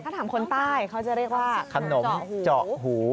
ถ้าถามคนใต้เขาจะเรียกว่าขนมเจาะหู